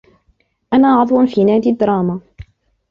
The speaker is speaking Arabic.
أنا عضو في نادي الدراما.